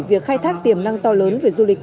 việc khai thác tiềm năng to lớn về du lịch